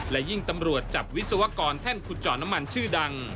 และยิ่งตำรวจจับวิศวกรแท่นขุดเจาะน้ำมันชื่อดัง